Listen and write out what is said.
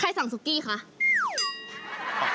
ใครสั่งสุกี้คะ